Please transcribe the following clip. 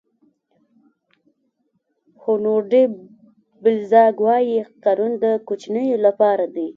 هونور ډي بلزاک وایي قانون د کوچنیو لپاره دی.